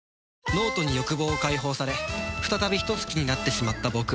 脳人に欲望を解放され再びヒトツ鬼になってしまった僕